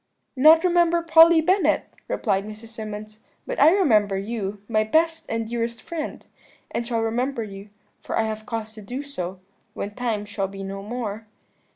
"'Not remember Polly Bennet?' replied Mrs. Symonds, 'but I remember you, my best and dearest friend, and shall remember you, for I have cause to do so, when time shall be no more.'